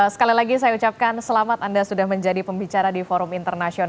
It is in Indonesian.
sekali lagi saya ucapkan selamat anda sudah menjadi pembicara di forum internasional